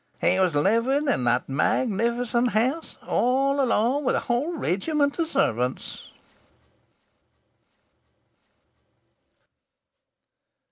He was living in that magnificent house all alone, with a whole regiment of servants!"